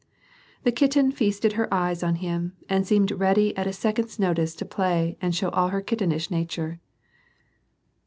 The kitten feasted her eyes on him and* seemed ready at a second's notice to play and show all her kittenish nature.